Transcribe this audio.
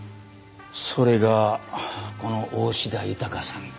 それがこの大志田豊さんか。